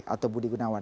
atau budi gunawan